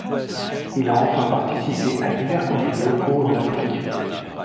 Il a enfin participé à divers conflits locaux en Afrique.